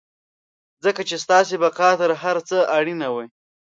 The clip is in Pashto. ځکه چې ستاسې بقا تر هر څه اړينه وي.